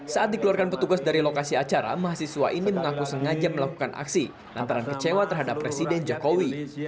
saat dikeluarkan petugas dari lokasi acara mahasiswa ini mengaku sengaja melakukan aksi lantaran kecewa terhadap presiden jokowi